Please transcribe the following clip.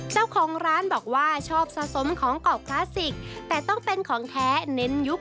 เจ้าของร้านบอกว่าชอบสะสมของกรอบคลาสสิกแต่ต้องเป็นของแท้เน้นยุค